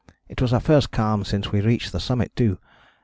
It was our first calm since we reached the summit too.